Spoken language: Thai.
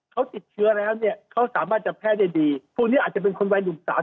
เขาติดเชื้อแล้วเนี่ยเขาสามารถจะแพร่ได้ดีพวกนี้อาจจะเป็นคนวัยหนุ่มสาว